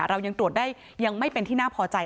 เรายังตรวจได้ยังไม่เป็นที่น่าพอใจ